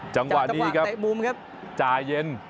จังหวะนี้ครับจ่ายเย็น